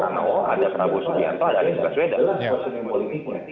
pak prabowo punya udara berkata jokowi harus sekarang menjadi pembentian dan pembentian jokowi